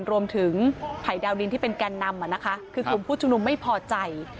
รวมถึงภัยดาวดินที่เป็นแกนนำคือกลุ่มผู้ชุมนุมไม่พอใจ